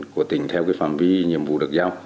của tỉnh theo phạm vi nhiệm vụ được giao